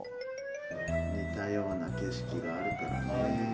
似たような景色があるからね。